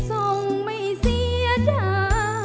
เพลงที่สองเพลงมาครับ